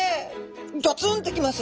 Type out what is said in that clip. ギョツンと来ます！